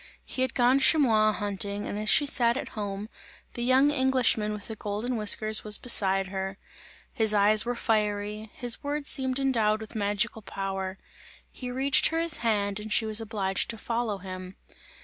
He had gone chamois hunting and as she sat at home, the young Englishman with the golden whiskers was beside her; his eyes were fiery, his words seemed endowed with magical power; he reached her his hand and she was obliged to follow him.